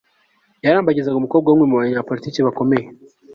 yarambagizaga umukobwa w'umwe mu banyapolitiki bakomeye